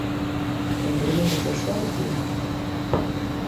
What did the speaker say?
En primeira persoa do plural.